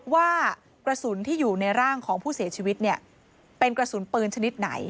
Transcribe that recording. ว่ากระสุนที่อยู่ในร่างของผู้เสียชีวิตเนี่ยเป็นกระสุนปืนชนิดไหน